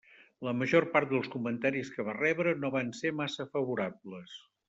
La major part dels comentaris que va rebre no van ser massa favorables.